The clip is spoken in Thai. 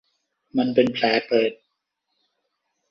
มันเป็นแผลเปิด